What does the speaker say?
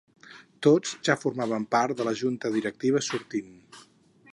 Tots ja formaven part de la junta directiva sortint.